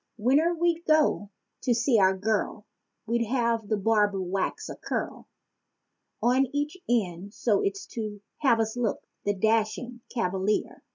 Whene'er we'd go to see our girl, we'd have the barber wax a curl On each end so's to have us look, the dashing cavalier.